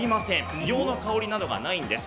硫黄の香りなどがないんです。